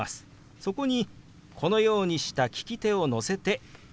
そこにこのようにした利き手を乗せて前に動かします。